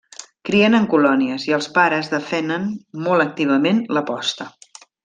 Crien en colònies, i els pares defenen molt activament la posta.